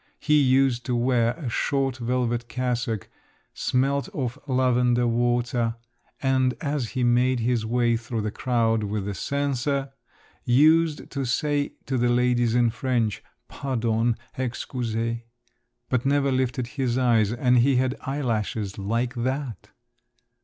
He used to wear a short velvet cassock, smelt of lavender water, and as he made his way through the crowd with the censer, used to say to the ladies in French, 'Pardon, excusez' but never lifted his eyes, and he had eyelashes like that!"